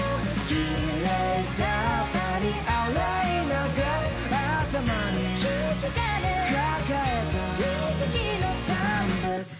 「きれいさっぱり洗い流す」「頭に引き金抱えた」「悲劇の産物」